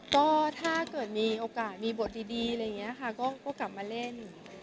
ก็ถ้าเกิดมีโอกาสมีบทดีอะไรอย่างนี้ค่ะก็กลับมาเล่น